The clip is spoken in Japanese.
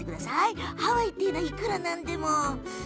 ハワイというにはいくらなんでも。